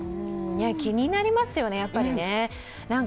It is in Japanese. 気になりますよね、やっぱりね。